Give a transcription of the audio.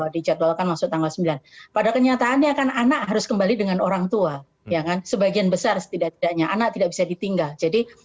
dijadwalkan masuk tanggal sembilan pada kenyataannya kan anak harus kembali dengan orang tua ya kan sebagian besar setidak tidaknya anak tidak bisa ditinggal jadi